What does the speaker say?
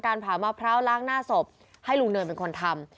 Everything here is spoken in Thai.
ผ่ามะพร้าวล้างหน้าศพให้ลุงเนินเป็นคนทำ